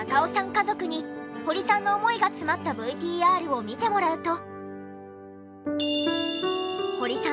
家族に堀さんの思いが詰まったＶＴＲを見てもらうと。